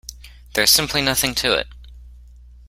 There's simply nothing to it.